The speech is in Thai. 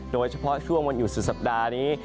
โดยเฉพาะช่วงวันหยุดสุดสัปดาห์นี้